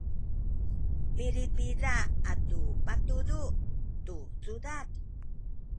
milipida atu patudud tu cudad